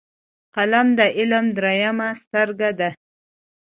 قلم د علم دریمه سترګه ده